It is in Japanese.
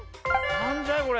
なんじゃいこれ。